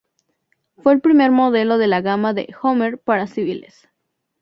Fue el primer modelo de la gama de Hummer para civiles.